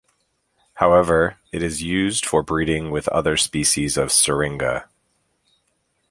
However, it is used for breeding with other species of "Syringa".